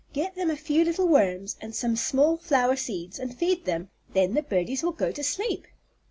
Get them a few little worms, and some small flower seeds, and feed them. Then the birdies will go to sleep."